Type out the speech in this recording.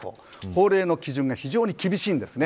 法令の基準が非常に厳しいです。